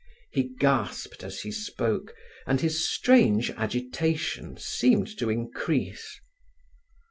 He gasped as he spoke, and his strange agitation seemed to increase.